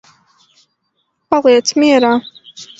Paliec mierā.